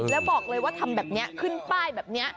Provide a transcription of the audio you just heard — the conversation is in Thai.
แล้วบอกเลยว่าทำแบบนี้ขึ้นป้ายแบบนี้